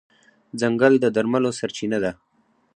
ځنګل د درملو سرچینه ده.